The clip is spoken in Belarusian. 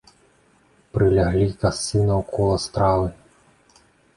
Прыляглі касцы наўкола стравы.